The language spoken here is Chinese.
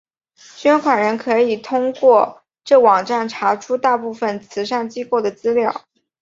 捐款人可以透过这网站查出大部份慈善机构的资料。